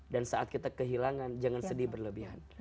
dan saat kita kehilangan jangan sedih berlebihan